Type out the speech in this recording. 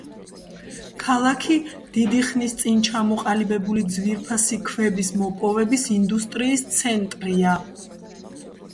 ქალაქი დიდი ხნის წინ ჩამოყალიბებული ძვირფასი ქვების მოპოვების ინდუსტრიის ცენტრია.